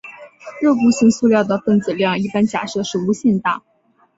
热固性塑料的分子量一般假设是无限大。